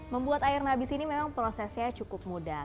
membuat air nabis ini memang prosesnya cukup mudah